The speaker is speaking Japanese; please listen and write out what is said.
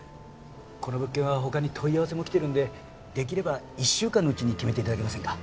この物件は他に問い合わせもきてるんでできれば１週間のうちに決めて頂けませんか。